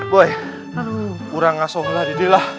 boy kurang asuh lah